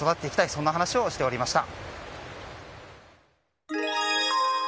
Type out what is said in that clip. そんな話をしていました。